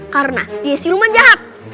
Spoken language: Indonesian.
karena dia siluman jahat